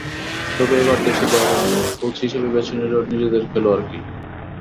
তবে এবার দেশের বাইরে নয়, কোচ হিসেবে বেছে নিল নিজেদের খেলোয়াড়কেই।